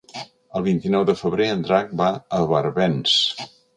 El vint-i-nou de febrer en Drac va a Barbens.